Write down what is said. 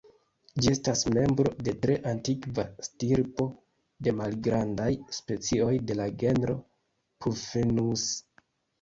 Ĝi estas membro de tre antikva stirpo de malgrandaj specioj de la genro "Puffinus".